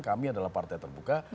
kami adalah partai terbuka